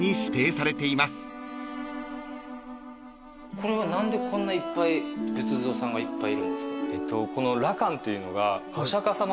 これは何でこんないっぱい仏像さんがいっぱいいるんですか？